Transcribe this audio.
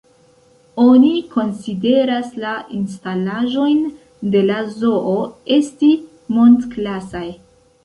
Oni konsideras la instalaĵojn de la zoo esti mond-klasaj.